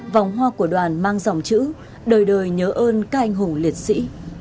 vòng hoa của đoàn mang dòng chữ đời đời nhớ ơn canh hùng liệt sĩ